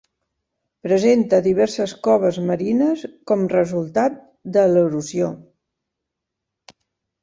Presenta diverses coves marines com a resultat de l'erosió.